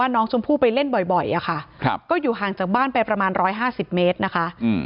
น้องชมพู่ไปเล่นบ่อยค่ะก็อยู่ห่างจากบ้านไปประมาณ๑๕๐เมตรนะคะ